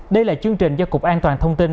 đây là chương trình do cục an toàn thông tin